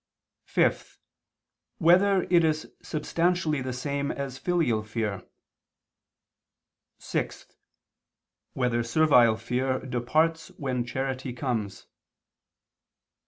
(5) Whether it is substantially the same as filial fear? (6) Whether servile fear departs when charity comes?